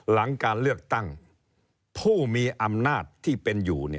หลังการเลือกตั้งผู้มีอำนาจที่เป็นอยู่